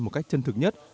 một cách chân thực nhất